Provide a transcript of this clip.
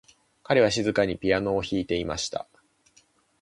彼は静かにピアノを弾いていました。